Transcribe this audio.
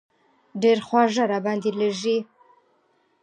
ډېر خواږه را باندې لږي.